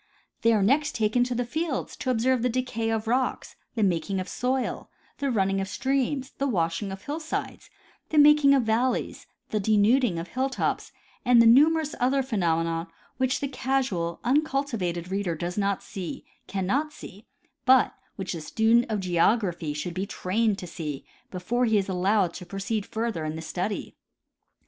They are next taken to the fields to observe the decay of rocks, the making of soil, the running of streams, the washing of hillsides, the making of valleys, the denuding of hilltops, and the numerous other phenomena which the casual, uncultivated reader does not see, cannot see, but which the student of geography should be trained to see before he is allowed to proceed further in the study.